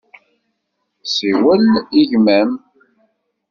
Siwel i gma-m.